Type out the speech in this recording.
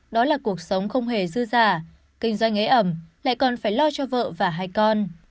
đó là cuộc sống không hề dư giả kinh doanh ế ẩm lại còn phải lo cho vợ và hai con